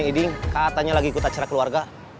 iding katanya lagi ikut acara keluarga